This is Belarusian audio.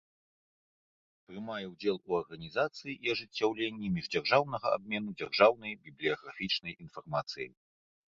Прымае ўдзел у арганiзацыi i ажыццяўленнi мiждзяржаўнага абмену дзяржаўнай бiблiяграфiчнай iнфармацыяй.